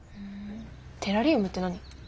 テラリウムって何？